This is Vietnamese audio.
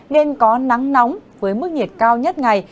nên có nắng nóng với mức nhiệt cao nhất ngày